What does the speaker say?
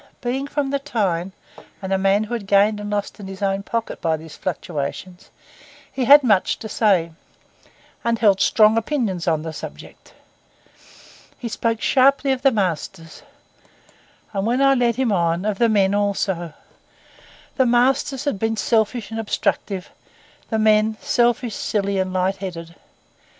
Being from the Tyne, and a man who had gained and lost in his own pocket by these fluctuations, he had much to say, and held strong opinions on the subject. He spoke sharply of the masters, and, when I led him on, of the men also. The masters had been selfish and obstructive, the men selfish, silly, and light headed.